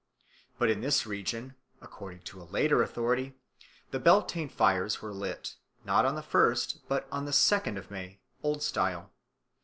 But in this region, according to a later authority, the Beltane fires were lit not on the first but on the second of May, Old Style.